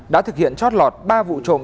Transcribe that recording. đã thực hiện chót lọt ba vụ trộm